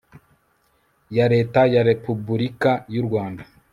ya leta ya repubulika yu rwanda